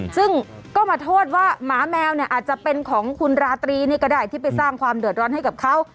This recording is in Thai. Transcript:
ซึ่งก็มาโทษว่าหมาแมวเนี่ยอาจจะเป็นของคุณราตรีนี่ก็ได้ที่ไปสร้างความเดือดร้อนให้กับเขา